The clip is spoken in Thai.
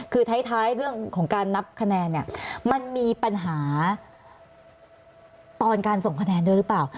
คือท้ายเรื่องของการนับคะแนนเนี่ยมันมีปัญหาตอนการส่งคะแนนด้วยหรือเปล่า